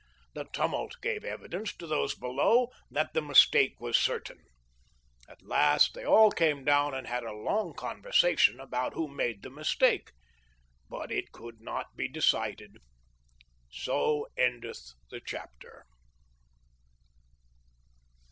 7 The tumult gave evidence to those below that the mistake was certain. At last they all came down and had a long conversation about who made the mistake, 54 THE LIFE OF LINCOLN. but it could not be decided. So endeth the chap ter."